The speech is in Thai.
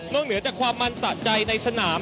เหนือจากความมันสะใจในสนาม